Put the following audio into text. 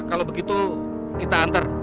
kalau begitu kita antar